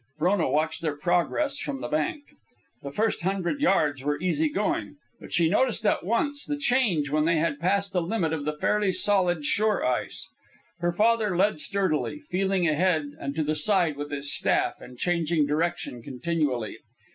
Frona watched their progress from the bank. The first hundred yards were easy going, but she noticed at once the change when they had passed the limit of the fairly solid shore ice. Her father led sturdily, feeling ahead and to the side with his staff and changing direction continually.